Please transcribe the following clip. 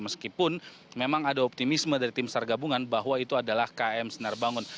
meskipun memang ada optimisme dari tim sargabungan bahwa itu adalah km sinar bangun